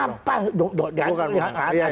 apa saya termasuk siapa